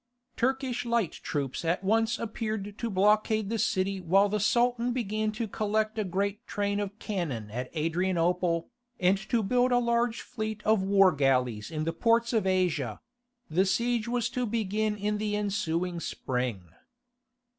Turkish light troops at once appeared to blockade the city while the Sultan began to collect a great train of cannon at Adrianople, and to build a large fleet of war galleys in the ports of Asia: the siege was to begin in the ensuing spring.